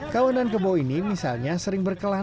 kawanan kerbau ini misalnya sering berkelanju